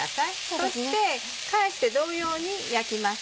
そして返して同様に焼きます。